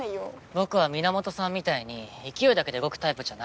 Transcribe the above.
僕は皆本さんみたいに勢いだけで動くタイプじゃないから。